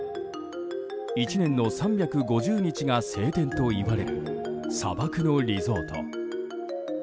１年の３５０日が晴天といわれる砂漠のリゾート。